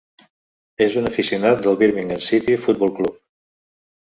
És un aficionat del Birmingham City Football Club.